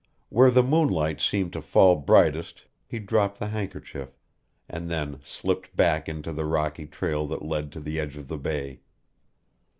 Where the moonlight seemed to fall brightest he dropped the handkerchief, and then slipped back into the rocky trail that led to the edge of the Bay.